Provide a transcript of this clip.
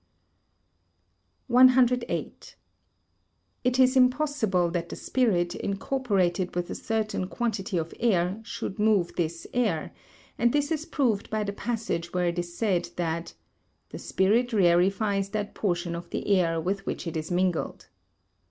108. It is impossible that the spirit, incorporated with a certain quantity of air, should move this air; and this is proved by the passage where it is said that "the spirit rarefies that portion of the air with which it is mingled."